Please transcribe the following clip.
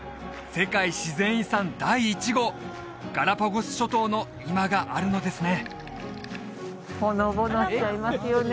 世界自然遺産第１号ガラパゴス諸島の今があるのですね